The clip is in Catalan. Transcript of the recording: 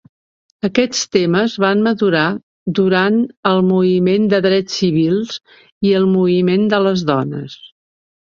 Aquests temes van madurar durant el Moviment de Drets Civils i el Moviment de les Dones.